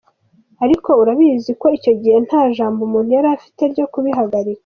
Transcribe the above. Ariko urabizi ko icyo gihe nta jambo umuntu yari afite ryo kubihagarika.